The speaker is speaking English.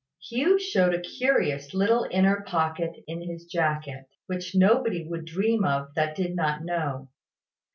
Hugh showed a curious little inner pocket in his jacket, which nobody would dream of that did not know.